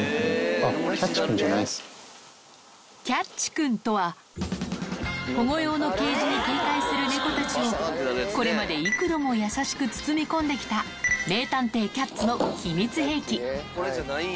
キャッチくんじゃないんですキャッチくんとは、保護用のケージに警戒する猫たちを、これまで幾度も優しく包み込んできた名探偵キャッツの秘密兵器。